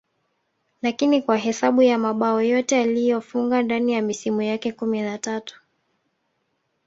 lakini kwa hesabu ya mabao yote aliyofunga ndani ya misimu yake kumi na tatu